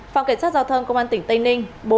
phòng kiểm soát giao thông công an tỉnh tây ninh